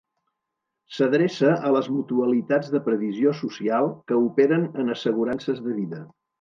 S'adreça a les mutualitats de previsió social que operen en assegurances de vida.